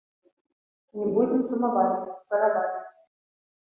Не будзем сумаваць, гараваць.